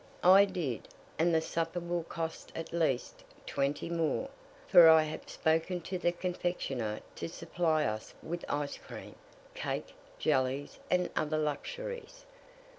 "I did, and the supper will cost at least twenty more; for I have spoken to the confectioner to supply us with ice cream, cake, jellies, and other luxuries.